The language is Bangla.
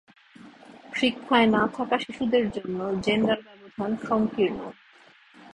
শিক্ষায় না থাকা শিশুদের জন্য জেন্ডার ব্যবধান সংকীর্ণ।